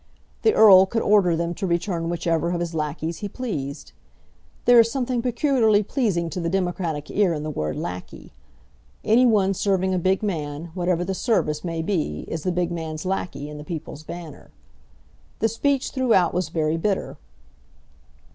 The Earl could order them to return whichever of his lacqueys he pleased. There is something peculiarly pleasing to the democratic ear in the word lacquey! Any one serving a big man, whatever the service may be, is the big man's lacquey in the People's Banner. The speech throughout was very bitter.